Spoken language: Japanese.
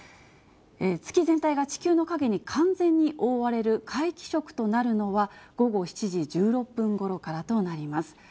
月全体が地球の影に完全に覆われる皆既食となるのは、午後７時１６分ごろからとなります。